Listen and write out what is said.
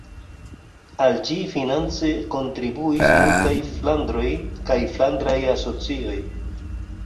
Al ĝi finance kontribuis multaj flandroj kaj flandraj asocioj.